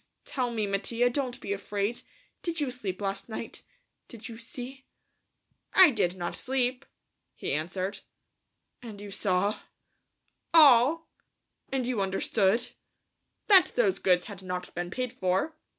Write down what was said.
Tell me, Mattia. Don't be afraid. Did you sleep last night? Did you see?" "I did not sleep," he answered. "And you saw...?" "All." "And you understood?" "That those goods had not been paid for.